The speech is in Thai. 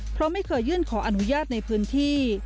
เพราะไม่เคยยื่นขออนุญาตในพื้นที่